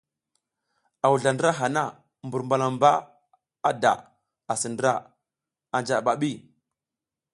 A wuzla ndra hana, mbur malamba da asi ndra anja a bi.